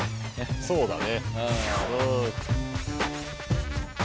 そうだね。